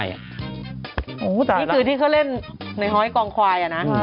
นี่คือที่เขาเล่นในห้อยกองควายอะนะ